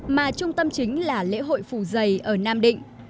mà trung tâm chính là lễ hội phủ dày ở nam định